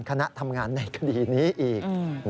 คณะทำงานในคดีนี้อีก